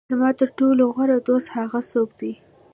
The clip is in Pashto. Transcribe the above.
زما تر ټولو غوره دوست هغه څوک دی.